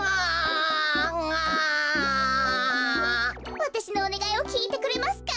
わたしのおねがいをきいてくれますか？